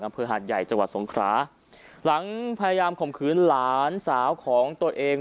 อำเภอหาดใหญ่จังหวัดสงคราหลังพยายามข่มขืนหลานสาวของตัวเอง